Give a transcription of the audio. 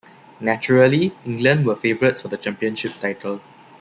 Naturally, England were favourites for the Championship title.